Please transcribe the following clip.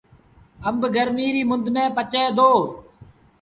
آݩب گرميٚ ريٚ مند ميݩ پچي دو۔